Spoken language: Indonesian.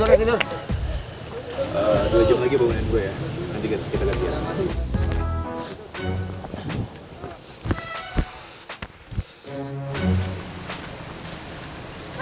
dua jam lagi bangunin gue ya